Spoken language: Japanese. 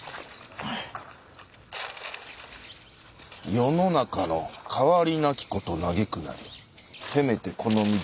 「世の中の変わりなきこと嘆くなりせめてこの身で」